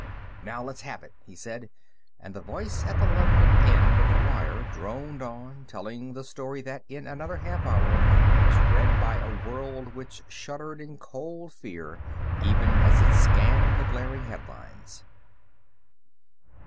"Now let's have it," he said, and the voice at the London end of the wire droned on, telling the story that in another half hour was read by a world which shuddered in cold fear even as it scanned the glaring headlines.